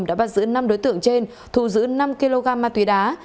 đã bắt giữ năm đối tượng trên thu giữ năm kg ma túy đá